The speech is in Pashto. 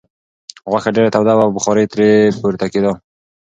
غوښه ډېره توده وه او بخار ترې پورته کېده.